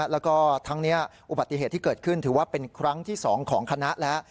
แล้วก็ทั้งนี้อุบัติเหตุที่เกิดขึ้นถือว่าเป็นครั้งที่๒ของคณะแล้ว